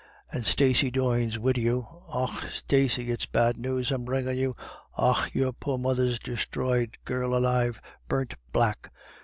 And Stacey Doyne's wid you — Och Stacey, it's bad news I'm bringin' you — och your poor mother's distroyed, girl alive — burnt black.